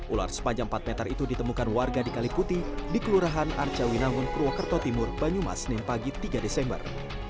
ular sepanjang empat meter itu ditemukan warga di kalikuti di kelurahan arcawinaun purwokerto timur banyumas senin pagi tiga desember